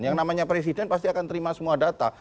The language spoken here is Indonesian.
yang namanya presiden pasti akan terima semua data